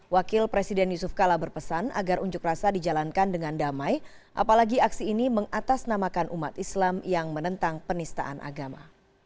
wakil presiden yusuf kala berpesan agar unjuk rasa dijalankan dengan damai apalagi aksi ini mengatasnamakan umat islam yang menentang penistaan agama